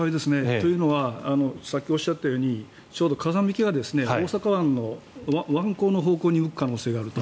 というのはさっきおっしゃったようにちょうど風向きが大阪湾の湾口のほうに向く可能性があると。